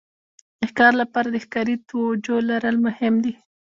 د ښکار لپاره د ښکاري توجو لرل مهم دي.